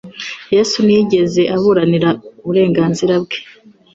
Yesu ntiyigeze aburanira uburenganzira Bwe.